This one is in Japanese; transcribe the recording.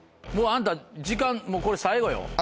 あなた時間もうこれ最後よ。